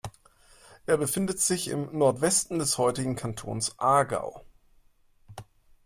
Er befindet sich im Nordwesten des heutigen Kantons Aargau.